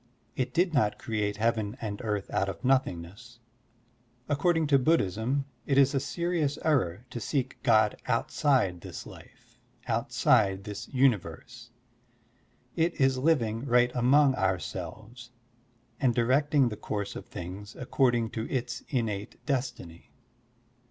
It did not create heaven and earth out of nothingness. According to Bud dhism, it is a serious error to seek God outside this life, outside this tmiverse. It is living right among ourselves and directing the course of things according to its innate destiny.